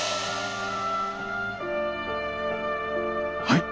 はい！